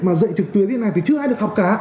mà dạy trực tuyến như thế này thì chưa ai được học cả